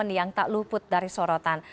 yang tak luput dari sorotan